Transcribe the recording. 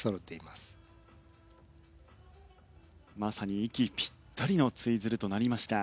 まさに息ぴったりのツイズルとなりました。